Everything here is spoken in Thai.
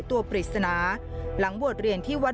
จุดฝังศพสมเนติศาสตร์จังหวัดนครศรีธรรมราช